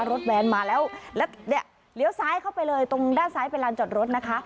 แวนมาแล้วแล้วเนี่ยเลี้ยวซ้ายเข้าไปเลยตรงด้านซ้ายเป็นลานจอดรถนะคะ